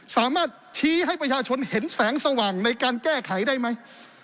สามารถชี้ให้ประชาชนเห็นแสงสว่างในการแก้ไขได้ไหม